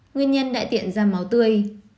nguyên nhân đại tiện da máu tươi